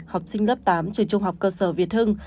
học sinh lớp tám trường trung học cơ sở việt hưng